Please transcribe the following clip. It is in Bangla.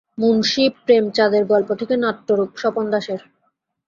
মুন্সী প্রেমচাঁদের গল্প থেকে নাট্যরূপ স্বপন দাসের।